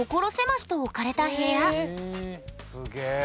すげえ。